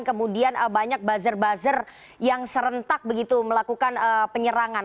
kemudian banyak buzzer buzzer yang serentak begitu melakukan penyerangan